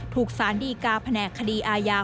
ถูกศาลดีกาแผ่นขณะคดีอาญา